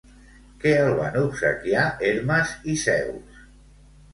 Què el van obsequiar Hermes i Zeus?